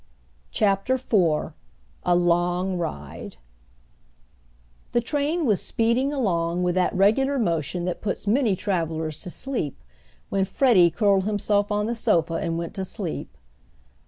CHAPTER IV A LONG RIDE The train was speeding along with that regular motion that puts many travelers to sleep, when Freddie curled himself on the sofa and went to sleep.